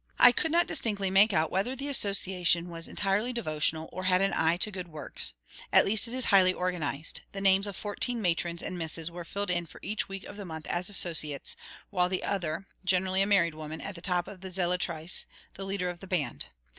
I could not distinctly make out whether the Association was entirely devotional, or had an eye to good works; at least it is highly organised: the names of fourteen matrons and misses were filled in for each week of the month as associates, with one other, generally a married woman, at the top for zélatrice: the leader of the band.